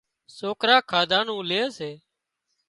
سوڪران کاڌا نُون لي سي